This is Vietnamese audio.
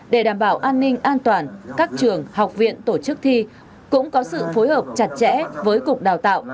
để đảm bảo an ninh an toàn các trường học viện tổ chức thi cũng có sự phối hợp chặt chẽ với cục đào tạo